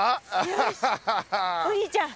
よしお兄ちゃん。